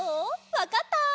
わかった？